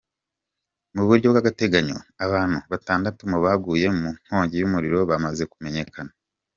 Mu buryo bw'agateganyo, abantu batandatu mu baguye mu nkongi y'umuriro bamaze kumenyekana.